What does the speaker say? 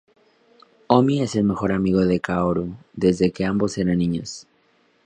Omi es el mejor amigo de Kaoru desde que ambos eran niños.